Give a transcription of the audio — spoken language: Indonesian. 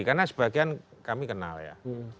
karena sebagian kami kenal ya